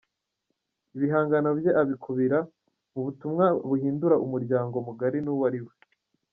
Ibihangano bye abikubira mu butumwa buhindura umuryango mugari n'uwo ari we.